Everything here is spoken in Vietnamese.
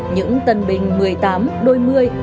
những tân binh một mươi tám đôi một mươi